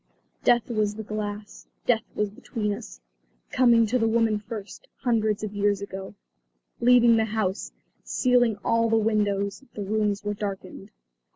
Death was the glass; death was between us; coming to the woman first, hundreds of years ago, leaving the house, sealing all the windows; the rooms were darkened.